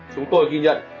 chúng tôi ghi nhận